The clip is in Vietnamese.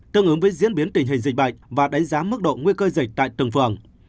tương ứng với diễn biến tình hình dịch bệnh và đánh giá mức độ nguy cơ dịch tại từng phường